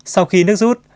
sau khi nước rút